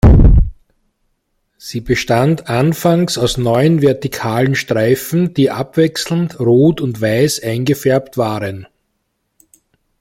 Sie bestand anfangs aus neun vertikalen Streifen, die abwechselnd rot und weiß eingefärbt waren.